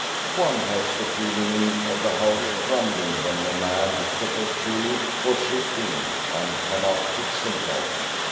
One has the feeling of the house crumbling when a man is perpetually for shifting and cannot fix himself.